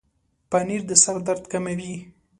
پنېر د سر درد کموي.